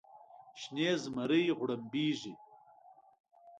شنې زمرۍ غړمبیږې